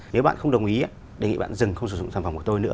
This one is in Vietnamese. nếu bạn không đồng ý đề nghị bạn dừng không sử dụng sản phẩm của tôi nữa